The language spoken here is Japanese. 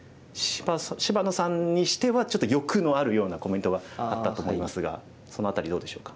芝野さんにしてはちょっと欲のあるようなコメントがあったと思いますがその辺りどうでしょうか？